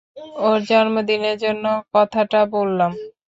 ওর জন্মদিনের জন্য কথাটা বললাম!